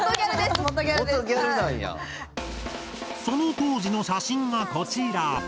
その当時の写真がこちら。